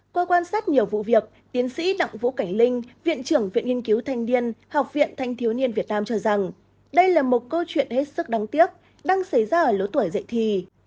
qua quan sát nhiều vụ việc tiến sĩ đặng vũ cảnh linh viện trưởng viện nghiên cứu thanh niên học viện thanh thiếu niên việt nam cho rằng đây là một câu chuyện hết sức đáng tiếc đang xảy ra ở lứa tuổi dạy thì